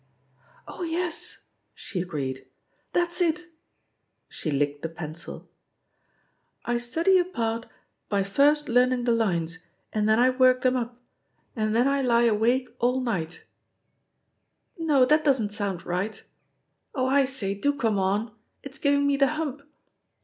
"Oh yes," she agreed; "that's it!" She licked the pencil. " *I study a part by first learning the lines, and then I work them up, and then I lie awake all night ' No, that doesn't sound right I Oh, I say, do come on I It's giving me the himip."